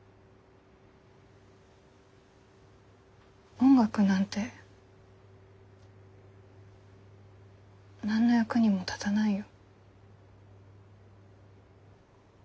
音楽なんて何の役にも立たないよ。